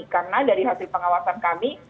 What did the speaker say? karena dari hasil pengawasan kami